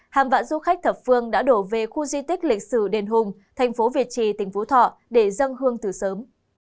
hàng vạn du khách thập phương đã đổ về khu di tích lịch sử đền hùng thành phố việt trì tỉnh phú thọ để dân hương từ sớm